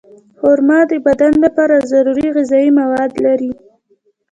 خرما د بدن لپاره ضروري غذایي مواد لري.